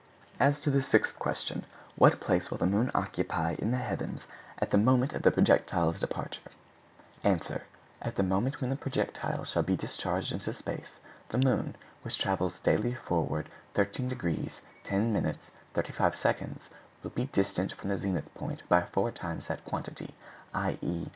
As to the sixth question, "What place will the moon occupy in the heavens at the moment of the projectile's departure?" Answer.—At the moment when the projectile shall be discharged into space, the moon, which travels daily forward 13° 10′ 35″, will be distant from the zenith point by four times that quantity, _i.